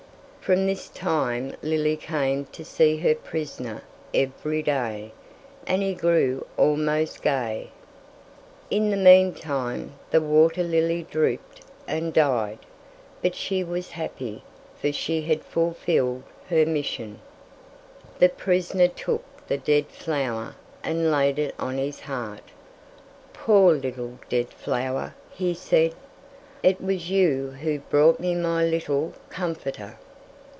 From this time Lily came to see her prisoner every day, and he grew almost gay. In the meantime the water lily drooped and died, but she was happy, for she had fulfilled her mission. The prisoner took the dead flower and laid it on his heart. "Poor little dead flower," he said, "it was you who brought me my little comforter."